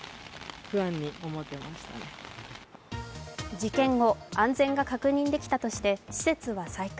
事件後、安全が確認できたとして施設は再開。